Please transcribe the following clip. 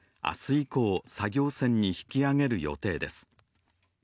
以降、作業船に引き揚げる予定です。